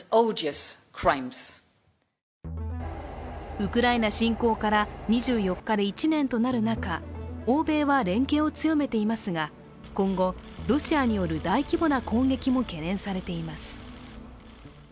ウクライナ侵攻から２４日で１年となる中、欧米は連携を強めていますが、今後、ロシアによる大規模な攻撃も懸念されています。